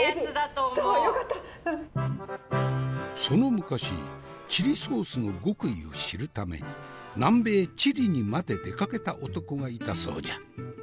その昔チリソースの極意を知るために南米チリにまで出かけた男がいたそうじゃ。